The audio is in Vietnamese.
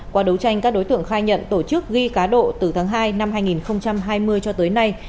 qua đấu tranh các đối tượng khai nhận tổ chức ghi cá độ từ tháng hai năm hai nghìn hai mươi cho tới nay